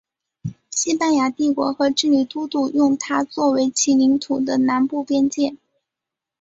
西班牙帝国和智利都督用它作为其领土的南部边界。